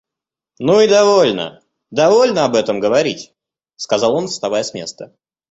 Ну и довольно, довольно об этом говорить, — сказал он, вставая с места.